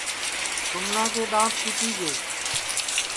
سُمنا کے دؔانٚت ٹُوٹی گے